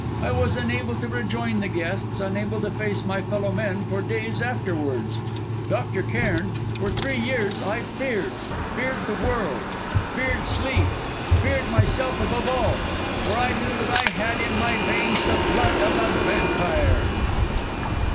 I was unable to rejoin the guests, unable to face my fellow men for days afterwards. Dr. Cairn, for three years I feared feared the world feared sleep feared myself above all; for I knew that I had in my veins the blood of a vampire!"